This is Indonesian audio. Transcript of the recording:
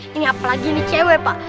ini apalagi ini cewek pak